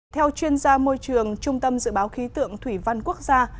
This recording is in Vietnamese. theo chuyên gia môi trường trung tâm dự báo khí tượng thủy văn quốc gia